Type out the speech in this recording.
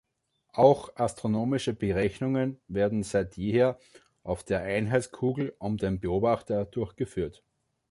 Auch astronomische Berechnungen werden seit jeher auf der Einheitskugel um den Beobachter durchgeführt.